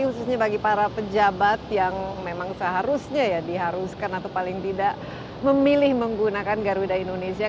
khususnya bagi para pejabat yang memang seharusnya ya diharuskan atau paling tidak memilih menggunakan garuda indonesia